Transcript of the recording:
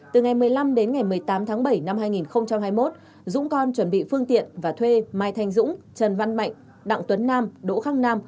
từ ngày một mươi năm đến ngày một mươi tám tháng bảy năm hai nghìn hai mươi một dũng con chuẩn bị phương tiện và thuê mai thanh dũng trần văn mạnh đặng tuấn nam đỗ khắc nam